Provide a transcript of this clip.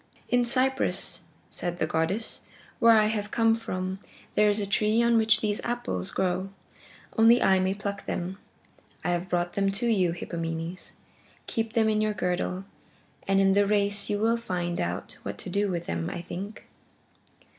"In Cyprus," said the goddess, "where I have come from, there is a tree on which these golden apples grow. Only I may pluck them. I have brought them to you, Hippomenes. Keep them in your girdle, and in the race you will find out what to do with them, I think."